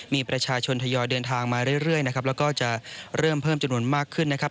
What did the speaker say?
มีประชาชนทยอยเดินทางมาเรื่อยนะครับแล้วก็จะเริ่มเพิ่มจำนวนมากขึ้นนะครับ